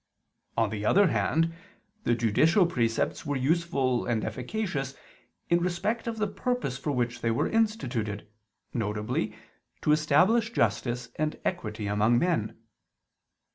On the other hand, the judicial precepts were useful and efficacious in respect of the purpose for which they were instituted, viz. to establish justice and equity among men.